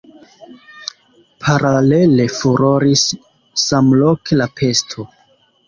Paralele furoris samloke la pesto.